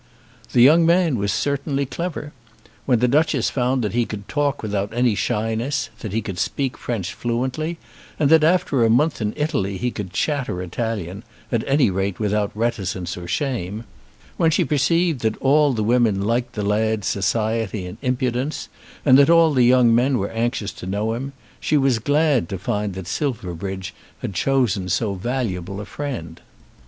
The young man was certainly clever. When the Duchess found that he could talk without any shyness, that he could speak French fluently, and that after a month in Italy he could chatter Italian, at any rate without reticence or shame; when she perceived that all the women liked the lad's society and impudence, and that all the young men were anxious to know him, she was glad to find that Silverbridge had chosen so valuable a friend.